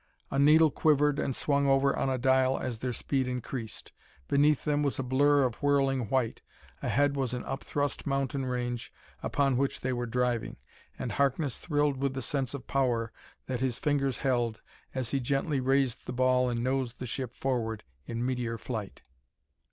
A needle quivered and swung over on a dial as their speed increased. Beneath them was a blur of whirling white; ahead was an upthrust mountain range upon which they were driving. And Harkness thrilled with the sense of power that his fingers held as he gently raised the ball and nosed the ship upward in meteor flight.